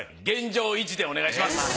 現状維持でお願いします。